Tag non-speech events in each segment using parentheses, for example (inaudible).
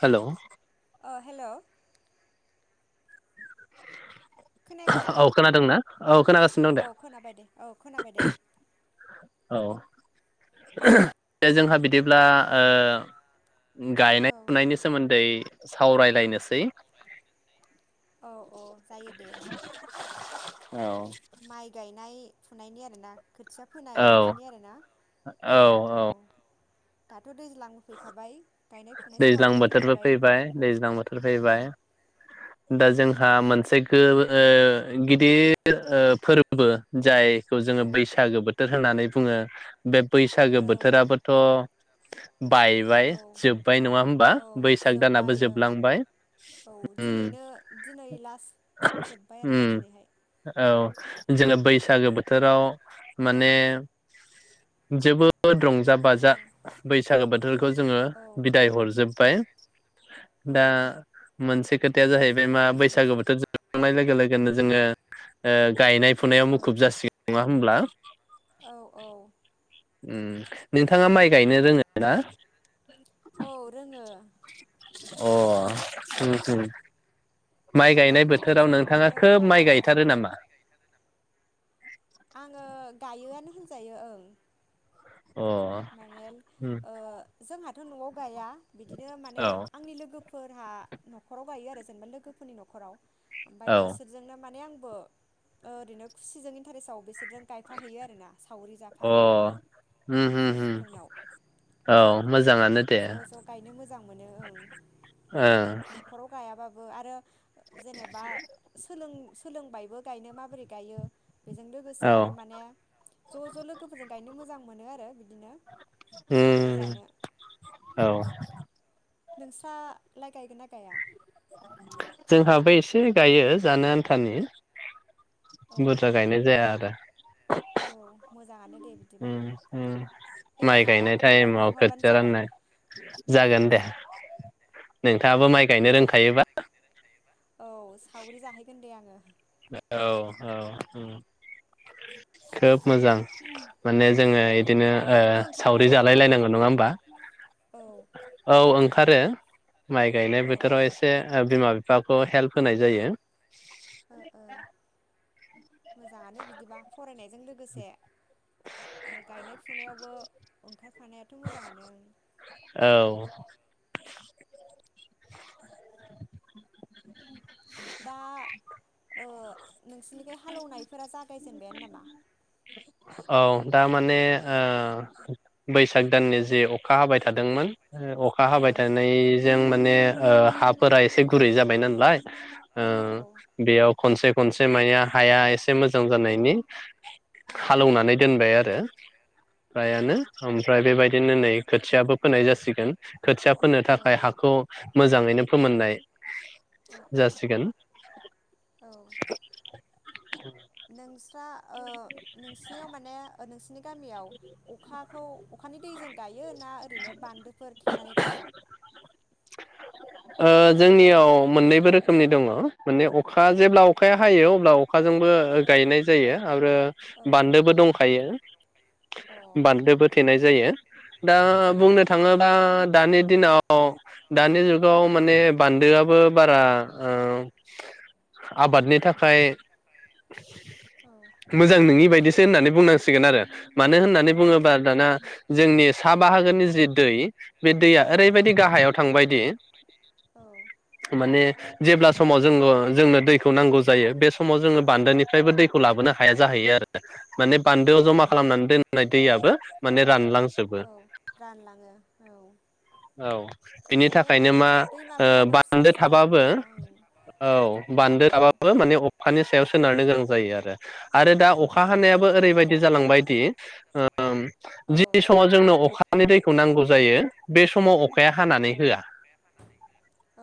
हेल। अ हेल। खोनायाखै नामा औ खोनादोंना औ खोनागासिनो दं औ दे। खोनाबाय दे औ खोनाबाय दे औ दे जोंहा बिदिब्ला। औ गायनाय फुनायनि सोमोन्दै। सावराय लायनोसै। औ औ जायो दे। औ माइ गायनाय। फुनायनि आरिनिना। खोथिया फोनाय औ बिदिनि आरिनिना औ। दाथ दैज्लां फैखाबाय। गायनाय फुनाय दैज्लां समाबोथ' बोथोरबो फैखाबाय फैबाय दैज्लां बोथोर औ फैबाय दा जों दा मोनसे गो ओ गिदिर ओ फोरबो जाय खौ जोङो बैसागो बोथ बोथोर होननानै बुङो बेब बैसागो औ बोथोराबोथ बायबाय। औ जोब्बाय नङा होमबा औ बैसाग दानाबो जोब्बाय ओं जोबलांबाय औ उम दिनैनो दिनै लास्ट जोब्बाय उम आरोना दिनैहाय औ। जोङो बैसागो बोथोराव माने जोबोद रंजा औ बाजा बैसागो बोथोरखौ जों औ बिदाय हरजोब बाय औ दा मोनसे खोथाया जाहैबाय मा बैसागो बोथोर जोबखांनाय लोगो लोगोनो जोङो ओ गायनायफ फुनायाव औ मुखुब जासिगोन नङा होनब्ला? औ औ उम नोंथाङा माइ गायनो रोङोना? औ रोङो। अ (unintelligible) माइ बिदिनो गायनाय सम बोथोराव सम नोंथाङा बिदिनो खोब गायो माइ आरो गायथारो नामा? आङो गायोआनो होनजायो ओं अ मानेल उम ओ जोंहाथ थ न'आव गाया बिदिनो माने औ आंनि लोगोफोर जोंहा नखराव गायो आरो जेनेबा लोगोफोरनि नखराव। ओमफाय औ अ बेसोरजोंनो माने आं फो ओरैनो खुसिजों इन्टारेस्टआव बिसोर जों गायफाहैयो आरो ना सावरि जाफाहैयो। उम उम उम लोगोफोरनाव औ मोजाङानो दे ज ज गायनो मोजां मोनो ओं ओं नखराव गायाबाब बो आरो जेनेबा सोलों सोलोंबायबो गायनो माबोरै गायो। बेजों लोगोसे आरो उम माने ज ज लोगोफोरजों गायनो मोजां मोनो आरो बिदिनो सावरि जानो औ नोंस्रालाय गायगोन ना गाया जोंहाबो एसे गायो जानो आन्थानि अ बुरजा गायनाय जाया आरो औ मोजाङानो दे बिदिबा माइ एबारहाय गायनाय आंखौबो गायनो टाइमाव लिंहरबानो खोथिया जाबाय राननाय जागोन दे औ नोंथाङाबो माइ गायनो रोंखायोबा औ सावरि जाहैगोन दे आङो औ औ ओम खोब मोजां माने जोङो औ इदिनो ओ नोंबो सावरि ओंखारफायो नामा जालायलायनांगौ नङा दुब्लियाव होमबा औ औ ओं आरो माइ गायनाय औ बोथोराव ओ एसे ओ बिमा फाखौ हेल्फ होनाय जायो ओ (unintelligible) मोजाङानो बिदिबा फरायनायजों लोगोसे गायनाय फुनायावबो ओंखारफानायाथ मोजाङानो औ दा ओ नोंसोरनिखाय हालौवनायफोरा जागायजेनबायानो नामा औ दा माने बैसाग ओ दाननि जे अखा हाबाय थादोंमोन अखा औ हाबाय थानायजों माने ओ हाफोरा एसे गुरै जाबाय नालाय ओ बेयाव खनसे खनसे माने हाया एसे मोजां जानायनि ए हालौनानै दोनबाय आरो फ्रायानो ओमफ्राय बेबायद बिदिनो नै खोथियाबो फोनाय जासिगोन खोथिया फोनो औ थाखाय हाखौ मोजाङैनो फोमोननाय जासिगोन औ नोंस्रा ओ नोंसिनियाव माने ओ ओनोसिनि गामियाव अखाखौ अखानि दैजों गायो ना ओरैनो बान्दोफोर थेनानै गायो जोंनियाव मोननैबो रोखोमनि दङ माने अखा जेब्ला अखाया हायो अब्ला अख अखाजोंबो औ गायनाय जायो आरो औ औ बान्दोबो दंखायो अ बान्दोबो थेनाय उम जायो दा मोजाङानो बुंनो बिदिबा थाङोबा दानि दिनाव दानि जुगाव औ माने बान्दोआबो बा फोरा आबादनि थाखाय औ मोजां नोङि बायदि होननानै बुंनांसिगोन आरो मानो होननानै औ बुङोबा दाना जोंनि साब बाहागोनि जे दै बे दैया औ ओरैबायदि गाहायाव थांबायदि औ माने जेब्ला समाव जोंनो दैखौ नांगौ जायो बे समाव जोङो औ बान्दोनिफ्रायबो दैखौ लाबोनो हाया जाहैयो आरो माने बान्दोआव जमा औ दोननाय दै आबो माने रानलां जोबो औ रानलाङो औ औ बिनि बिदिनो थाखायनो मा दैमाफोराबो फिसा बान्दो फिसा थाबाबो जालांबायना औ बान्दो ओं थाबाबो माने अखानि सायाव सोनारनो गोनां जायो आरो आरो दा अ अखा औ हानायाबो ओरैबायदि जालांबाय (unintelligible) ओं औ जि समाव जोंनो अखा नि दैखौ नांगौ जायो बे समाव अ खाया औ हानानै होआ औ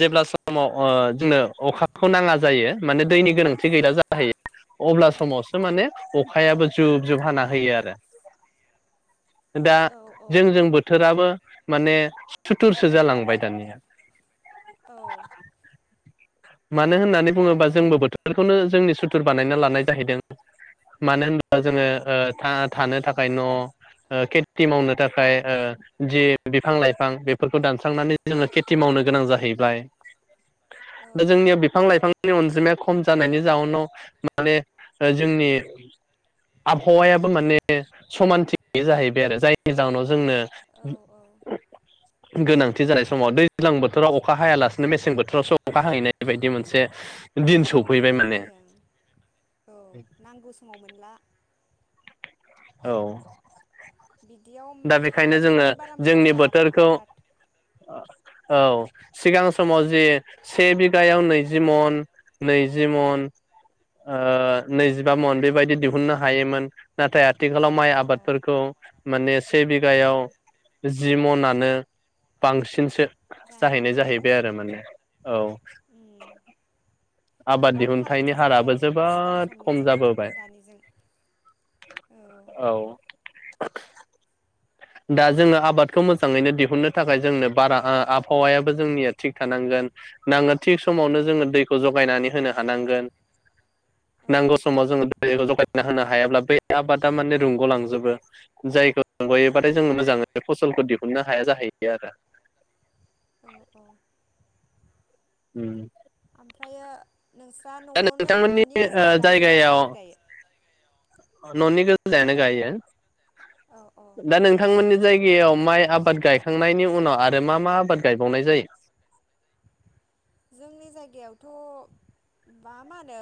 जेब्ला समाव ओ जोंनो अखाखौ नाङा जायो माने दैनि गोनांथि गैला जाहैयो अब्ला समावसो माने अखायाबो जुब जुब हाना होयो आरो। दा औ जों जों बोथोराबो माने सुथुरसो जालांबाय दानिया। औ मानो होननानै बुङोबा जोंबो बोथोरखौनो जोंनि सुथुर बानायना लानाय जाहैदों मानो होनबा जोङो औ ओ था-थानो था खाय न' ओ खि थि मावनो औ थाखाय ओ जि बिफां लाइफां बेफोरखौ दानस्रांनानै जोङो खेथि मावनो गोनां जाहैबाय दा जोंनियाव बिफां लाइफांनि अनजिमाया खम जानायनि जाउनाव माने जोंनि आबहावायाबो माने समानथि गैया जाहैबाय आरो जायनि जाहोनाव जोंनो औ गोनांथि जानाय समाव दैज्लां बोथोराव अखा हायालासिनो मेसें बोथोरावसो अखा हाहैनाय बेबायदि मोनसे औ दिन औ सफैबाय बिदि माने जायो ओं औ नांगौ समाव मोनला औ बिदियाव दा बेखायनो जोङो आबादफोराबो बारा मोजां जोंनि जाया खोमा बोथोरखौ ना दा ओ औ सिगां समाव जि से बिघायाव नैजि मन नैजि मन। औ नैजिबा मन बेबायदि दिहुननो हायोमोन। नाथाय। आथिखालाव माइ अ अ आबादफोरखौ मानेस। से औ बिघायाव जि। जिमनानो बांसिनसो। जानो जाहैनाय नागिरा जाहैबाय आरो माने औ। उम आबाद गोबां दिहुनथाइनि फारागथि जाबाय हाराबो आरोना सिगां जोबोद खम समनिजों जाबोबाय दानिजों औ। (inaudible) दाज जोङो आबादखौ मोजाङैनो दिहुननो थाखाय जोंनो। बारा आ-आबहावायाबो जोंनिया थिग थानांगोन नाङो। थिग औ समावनो जोङो दैखौ जगायनानै होनो। हानांगोन। औ नांगौ समाव जोङो दैखौ जगायना होनो हायाब्ला। बे आबादा माने रुंगलांजोबो जायखौ। (unintelligible) औ बाथाय जोङो मोजाङै फसलखौ दिहुननो हाया जाहैयो आरो। औ औ। उम। फ्रायो। नोंस्रा दा नआवनो नोंथांमोननि ननि ओ गोजा गायो ना जायगायाव सावरि गायो। (unintelligible) गायो औ औ दा नोंथांमोननि जाय गायाव माइ आबाद गायखांनायनि उनाव आरो मा मा आबाद गायबावनाय जायो। जोंनि जायगायावथ मा मा होनो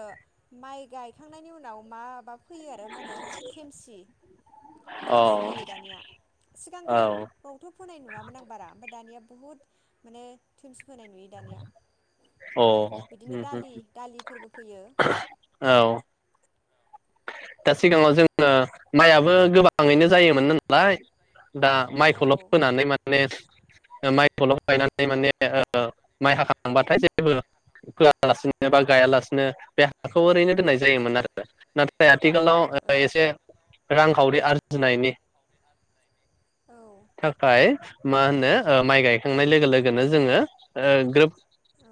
माइ गायखांनायनि उनाव माबा। फैयो आरो मा ओनो थेमसि। अ थेमसि फैयो दानिया औ सिगांथावावथ फोनाय नुवामोन आं बारा ओमफाय दानिया। बुहुद माने थिमसि फोनाय नुयो दानिया। अ बिदिनो उम उम दालि दालिफोरबो फैयो औ। दा सिगाङाव जोङो माइआबो गोबाङैनो जायोमोन नालाय। दा औ माइखौल फोनानै माने। माइखौल गायनानै माने ओ माइ हाखांबाथाय जेबो होआलासिनो बा गायालासिनो बे हाखौ ओरैनो। (unintelligible) औ जायोमोन आरो ना आथिखालाव ओ एसे रांखावरि आर जोनायनि ओ थाखाय मा होनो ओ माइ गायखांनाय लोगो लोगोनो जोङो ओ ग्रोब औ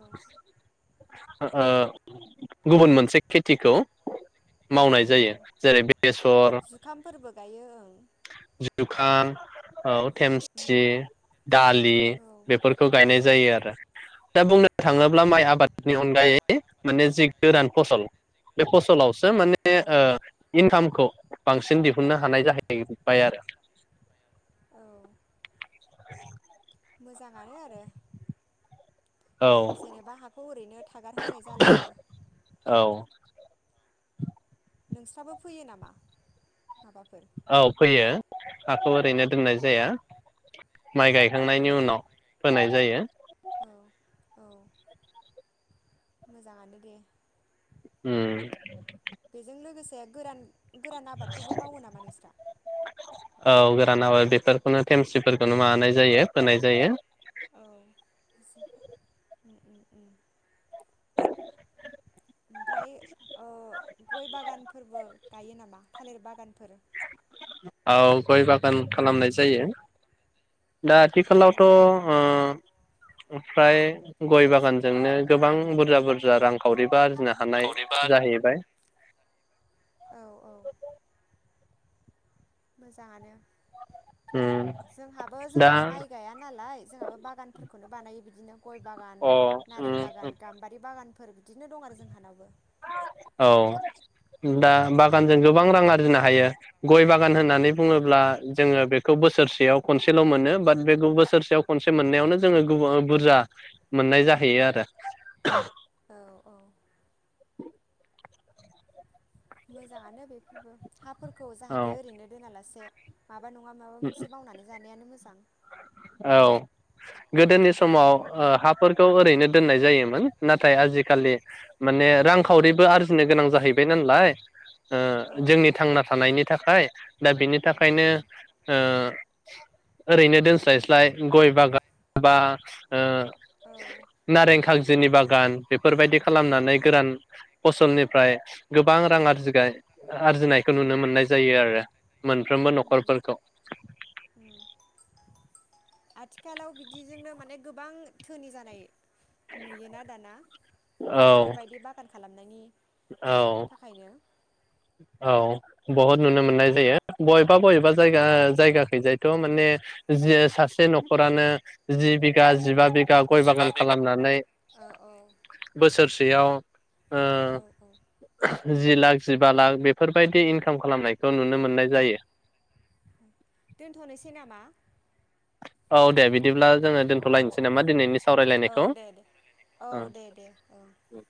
(inaudible) ओ गुबुन मोनसे खेथिखौ मावनाय औ जायो जेरै बेसर जुखामफोरबो गायो ओं जुखाम औ थेमसि उम दालि औ बेफोरखौ गायनाय जायो आरो दा बुंनो थाङोब्ला औ माइ आबादनि अनगायै माने ज गोरान फसल बे फसलाव सो माने औ ओ इनकाम खौ बांसिन दिहुननो हानाय जाहै बाय आरो औ (inaudible) मोजाङानो आरो औ जेनेबा हाखौ ओरैनो थागार होनाय जाला आरो औ नोंस्राबो फोयो नामा? माबाफोर औ फोयो हाखौ ओरैनो दोननाय जाया माय औ गायखांनायनि उनाव फोनाय जायो। औ औ मोजाङानो दे। उम बेजों लोगोसे से गोरान गोरान आबादफोरबो मावो नामा नोंस्रा औ गोरान आबाद बेफोरखौनो थेमसिफोरखौनो मानाय जायो फोनाय जायो। औ (inaudible) ओमफ्राय ओ गय बागानफोरबो गायो नामा थालिर बागानफोर औ गय बागान खालामनाय जायो। दा औ आथिखालावथ ओ ओमफ्राय गय बागानजोंनो गोबां बुरजा बुरजा रांखावरि आरजिनो हानाय जाहैबाय औ औ मोजाङानो उम जोंहाबो दा जोंहा माइ गाया नालाय जोंहाबो बागानफोर खौनो बानायो बिदिनो गय बागान अ नारें उम बागान गाम्बारि बागानफोर बिदिनो नो दं आरो जोंहानावबो औ दा बागानजों गोबां रां आरजिनो हायो गय बागान होननानै बुङोब्ला जोङो बेखौ बोसोरसेयाव खनसेल मोनो। बाट बेखौ बोसोरसेयाव खनसे मोननायावनो जोङो बुरजा मोननाय जाहैयो आरो औ औ मोजाङानो बे बो हाफोरखौ औ जाहाथे ओरैनो दोनालासे माबा नङा माबा मोनसे मावनानै जानायानो मो जां औ गोदोनि समाव ओ हाफोरखौ ओरैनो दोननाय जायोमोन नाथाय आजिखालि माने औ रांखावरिबो आरजिनो गोनां जाहैबाय नालाय ओ औ जोंनि थांना थानायनि थाखाय दा बिनि औ थाखायनो ओ ओरैनो दोनस्लाय साय स्लाय गय बागान बा ओ औ नारें खारजिनि बागान बेफोरबायदि औ खालामनानै गोरान फसलनि ओमफ्राय गोबां रां आरजिगाय आरजिनायखौ नुनो उम मोननाय जायो आरो मोनफ्रोमबो उम न'खरफोरखौ उम आथिखालाव बिदिजोंनो माने गोबां धोनि जानाय नुयोना दाना औ बेफोरबायदि बागान खालामनायनि औ थाखायनो औ बहुत नुनो मोननाय जायो बबेबा बबेबा जायगा जायगाखैजायथ माने जे सासे न'खरानो जि बिगा जिबा बिगा गा गय बागान खालामनानै औ औ बोसोरसेयाव ओ औ जि लाख जिबा लाख बेफोरबायदि इनकाम खालामनाय औ औ दोनथनोसै नामा? औ दे बि बिदिब्ला जोङो औ दोन्थलायनोसै नामा दिनैनि औ सावरायलायनायखौ दे दे औ ओ दे दे औ उ